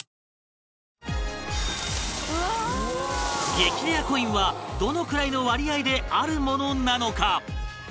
激レアコインはどのくらいの割合であるものなのか？